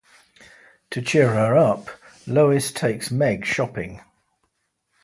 To cheer her up, Lois takes Meg shopping.